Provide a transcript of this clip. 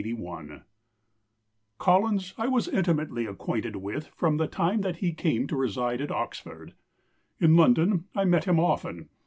] "Collins I was intimately acquainted with from the time that he came to reside at Oxford. In London I met him often....